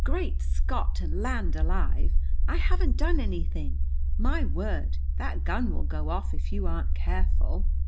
Great Scott and land alive, I haven't done anything! My word, that gun will go off if you aren't careful!"